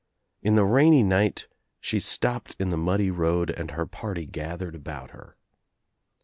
In the rainy night she stopped in the muddy road and her party gathered about her.